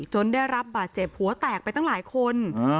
ได้รับบาดเจ็บหัวแตกไปตั้งหลายคน